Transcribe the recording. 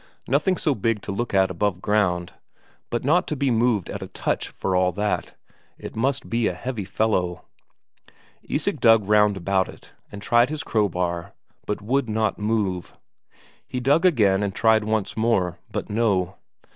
Nothing so big to look at above ground, but not to be moved at a touch for all that; it must be a heavy fellow. Isak dug round about it, and tried his crowbar, but it would not move. He dug again and tried once more, but no.